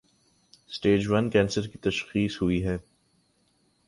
Stage one cancer کی تشخیص ہوئی ہے۔